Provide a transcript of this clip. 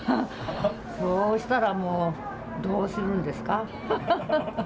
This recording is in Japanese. そうしたら、もう、どうするんですか。